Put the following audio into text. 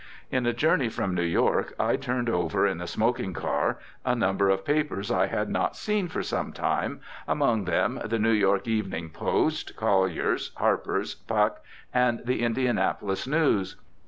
In a journey from New York I turned over in the smoking car a number of papers I had not seen for some time, among them the New York Evening Post, Collier's, Harper's, Puck, and the Indianapolis News.